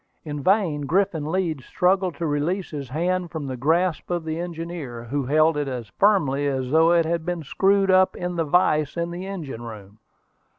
In vain Griffin Leeds struggled to release his hand from the grasp of the engineer, who held it as firmly as though it had been screwed up in the vise in the engine room.